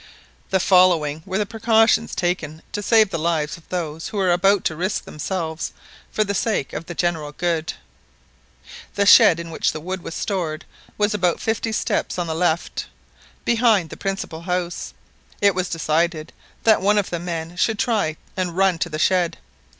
The following were the precautions taken to save the lives of those who were about to risk themselves for the sake of the general good :— The shed in which the wood was stored was about fifty steps on the left, behind, the principal house. It was decided that one of the men should try and run to the shed.